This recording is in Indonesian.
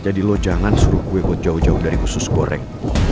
jadi lo jangan suruh gue buat jauh jauh dari usus goreng